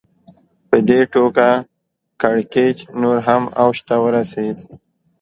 په دې توګه کړکېچ نور هم اوج ته ورسېد